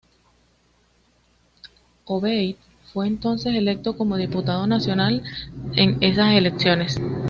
Obeid fue entonces electo como diputado nacional en esas elecciones.